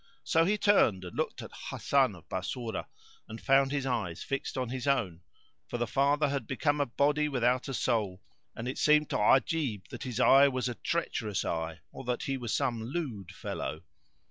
So he turned and looked at Hasan of Bassorah and found his eyes fixed on his own, for the father had become a body without a soul; and it seemed to Ajib that his eye was a treacherous eye or that he was some lewd fellow.